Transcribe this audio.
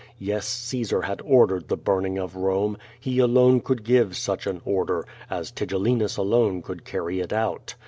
Yes, Caesar had ordered the burning of Rome! He alone could give such an order, as Tigellinus alone could carry it out.